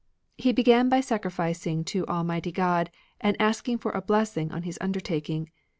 He began by sacrificing to Almighty God, and asked for a blessing on his undertaking.